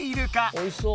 おいしそう！